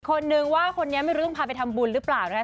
คนนึงว่าคนนี้ไม่รู้เรื่องพาไปทำบุญหรือเปล่านะคะ